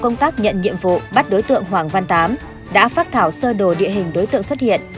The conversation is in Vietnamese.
công tác nhận nhiệm vụ bắt đối tượng hoàng văn tám đã phát thảo sơ đồ địa hình đối tượng xuất hiện